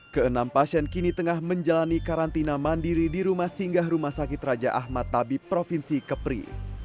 keenam pasien kini tengah menjalani karantina mandiri di rumah singgah rumah sakit raja ahmad tabib provinsi kepri